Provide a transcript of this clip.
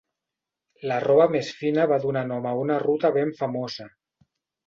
La roba més fina va donar nom a una ruta ben famosa.